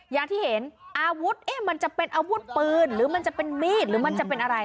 อย่างที่เห็นอาวุธมันจะเป็นอาวุธปืนหรือมันจะเป็นมีดหรือมันจะเป็นอะไร